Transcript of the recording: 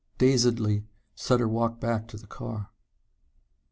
Dazedly, Sutter walked back to the car....